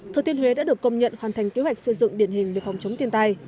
thừa thiên huế đã được công nhận hoàn thành kế hoạch xây dựng điển hình về phòng chống thiên tai